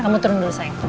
kamu turun dulu sayang